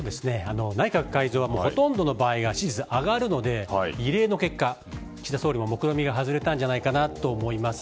内閣改造はほとんどの場合は支持率が上がるので異例の結果、岸田総理も目論見が外れたんじゃないかと思います。